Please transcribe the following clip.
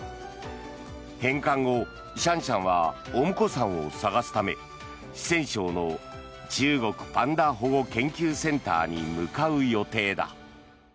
返還後、シャンシャンはお婿さんを探すため四川省の中国パンダ保護研究センターに向かう予定だ。